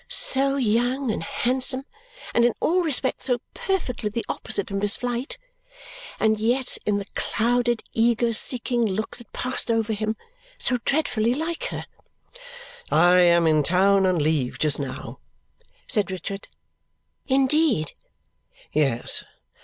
So young and handsome, and in all respects so perfectly the opposite of Miss Flite! And yet, in the clouded, eager, seeking look that passed over him, so dreadfully like her! "I am in town on leave just now," said Richard. "Indeed?" "Yes.